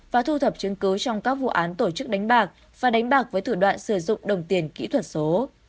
và thu thập chứng cứ trong các vụ án tổ chức đánh bạc và đánh bạc với thủ đoạn sử dụng đồng tiền kỹ thuật số